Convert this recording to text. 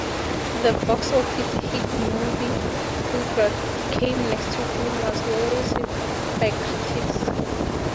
The box-office hit movie "Kudrat" came next the film was well received by critics.